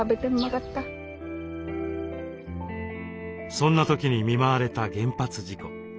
そんな時に見舞われた原発事故。